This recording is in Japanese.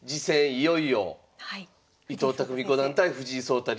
いよいよ伊藤匠五段対藤井聡太